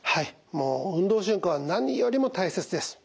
もう運動習慣は何よりも大切です。